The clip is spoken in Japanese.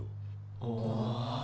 ああ？